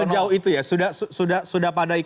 apakah memang sudah sejauh itu ya sudah pada iklan